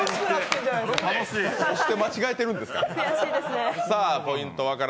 そして、間違えてるんですから。